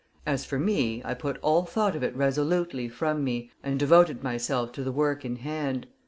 As for me, I put all thought of it resolutely from me, and devoted myself to the work in hand.